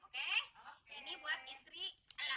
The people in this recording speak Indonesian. oke ini ya ini buat istri pertama